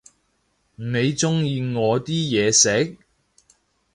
你鍾意我啲嘢食？